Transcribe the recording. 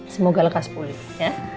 semoga lekas pulih ya